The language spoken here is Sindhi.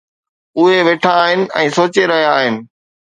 اهي ويٺا آهن ۽ سوچي رهيا آهن